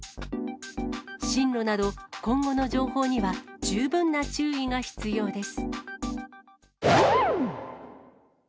進路など、今後の情報には十分な注意が必要です。